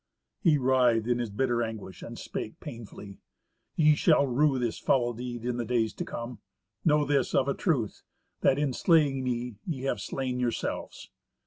He writhed in his bitter anguish, and spake painfully, "Ye shall rue this foul deed in the days to come. Know this of a truth, that in slaying me ye have slain yourselves."